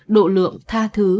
độ lượng tha thứ